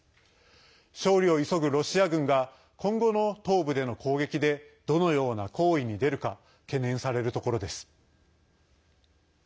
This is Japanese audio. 勝利を急ぐロシア軍が今後の東部での攻撃でどのような行為に出るか懸念されるところです。